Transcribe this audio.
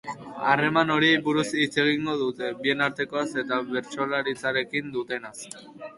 Harreman horiei buruz hitz egingo dute, bien artekoaz eta bertsolaritzarekin dutenaz.